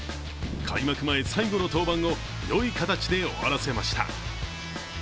開幕前最後の登板を良い形で終わらせました。